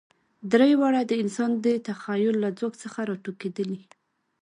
درې واړه د انسان د تخیل له ځواک څخه راټوکېدلي.